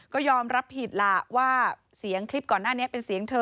ก็ยอมรับผิดล่ะว่าเสียงคลิปก่อนหน้านี้เป็นเสียงเธอ